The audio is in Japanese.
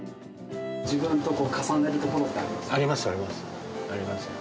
自分と重なることってありますか？